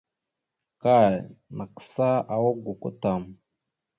Kay nagsáawak gokwa tam.